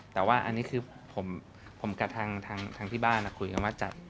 แต่ว่าอันนี้คือผมกับทางที่บ้านคุยกันว่าจัด